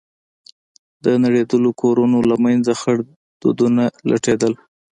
د نړېدلو کورونو له منځه خړ دودونه لټېدل.